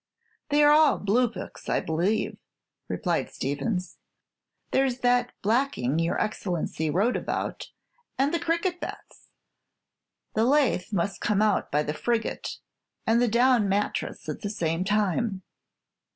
"They are all blue books, I believe," replied Stevins. "There's that blacking your Excellency wrote about, and the cricket bats; the lathe must come out by the frigate, and the down mattress at the same time."